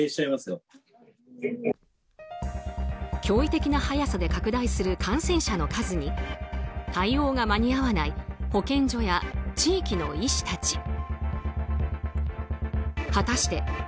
驚異的な速さで拡大する感染者の数に対応が間に合わない保健所や地域の医師たち。